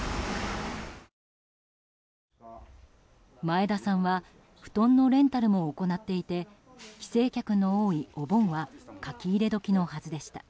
前田さんは布団のレンタルも行っていて帰省客の多いお盆は書き入れ時のはずでした。